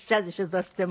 どうしても。